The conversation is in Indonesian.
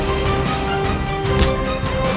saya akan menjaga kebenaran raden